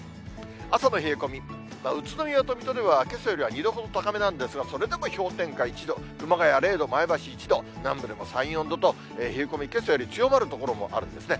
朝の冷え込み、宇都宮と水戸ではけさよりは２度ほど高めなんですが、それでも氷点下１度、熊谷０度、前橋１度、南部でも３、４度と、冷え込み、けさより強まる所もあるんですね。